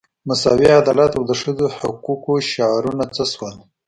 مساوي عدالت او د ښځو حقوقو شعارونه څه شول.